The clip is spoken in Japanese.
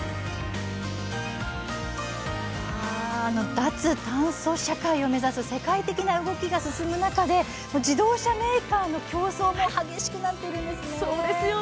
脱炭素社会を目指す世界的な動きが進む中で自動車メーカーの競争も激しくなっているんですね。